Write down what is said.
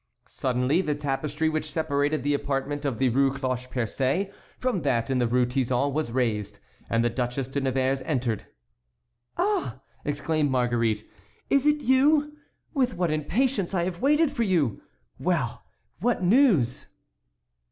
Suddenly the tapestry which separated the apartment of the Rue Cloche Percée from that in the Rue Tizon was raised, and the Duchesse de Nevers entered. "Ah!" exclaimed Marguerite, "is it you? With what impatience I have waited for you! Well! What news?"